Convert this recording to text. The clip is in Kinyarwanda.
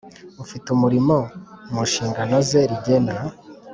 Ufite umurimo mu nshingano ze rigena